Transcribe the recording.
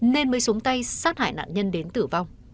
nên mới xuống tay sát hại nạn nhân đến tử vong